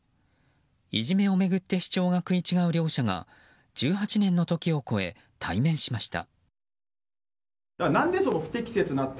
いじめを巡って主張が食い違う両者が１８年の時を越え、対面しました。